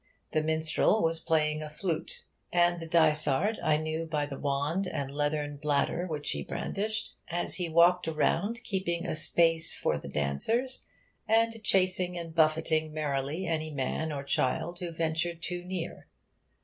The minstrel was playing a flute; and the dysard I knew by the wand and leathern bladder which he brandished as he walked around, keeping a space for the dancers, and chasing and buffeting merrily any man or child who ventured too near.